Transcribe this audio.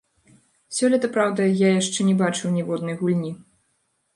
Сёлета, праўда, я яшчэ не бачыў ніводнай гульні.